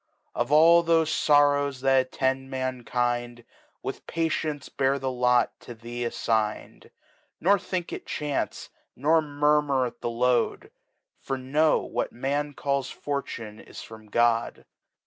Of all thofe Sorrows that attend Mankind,. . With Patience bear the Lot to thee aflign'd ; Nor think it Chance, nor murmur at the Load; For know, what Man calls Fortune, is from God.